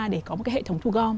để có một cái hệ thống thu gom